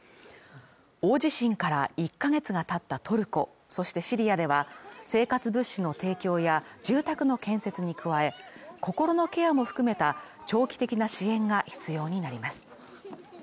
大地震から１ヶ月がたったトルコ、そしてシリアでは、生活物資の提供や住宅の建設に加え、心のケアも含めた長期的な支援が必要になります。